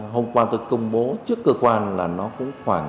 hôm qua tôi công bố trước cơ quan là nó cũng khoảng